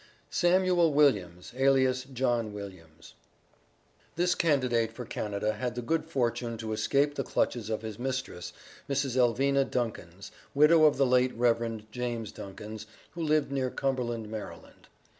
SAMUEL WILLIAMS, ALIAS JOHN WILLIAMS. This candidate for Canada had the good fortune to escape the clutches of his mistress, Mrs. Elvina Duncans, widow of the late Rev. James Duncans, who lived near Cumberland, Md.